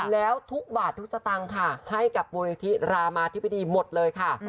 แล้วทุกบาททุกสตางค์ค่ะให้กับมูลนิธิรามาธิบดีหมดเลยค่ะ